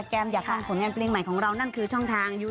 กัมมิโคออฟฟิเชียลค่ะฝากน้ำเงินกันค่ะ